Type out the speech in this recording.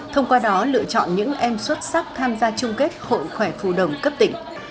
thông qua đó lựa chọn những em xuất sắc tham gia chung kết hội khỏe phù đồng cấp tỉnh